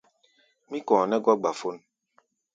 Mí kɔ̧ɔ̧ nɛ́ gɔ̧́ gbafón.